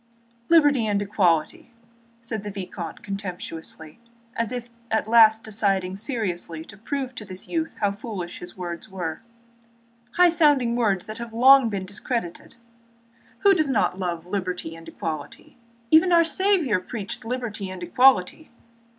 "Liberty and equality," said the vicomte contemptuously, as if at last deciding seriously to prove to this youth how foolish his words were, "high sounding words which have long been discredited. Who does not love liberty and equality? Even our Saviour preached liberty and equality.